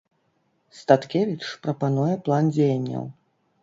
Статкевіч прапануе план дзеянняў.